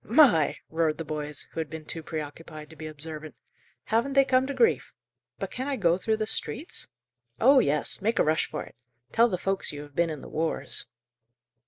"My!" roared the boys, who had been too preoccupied to be observant. "Haven't they come to grief!" "But can I go through the streets?" "Oh yes! Make a rush for it. Tell the folks you have been in the wars."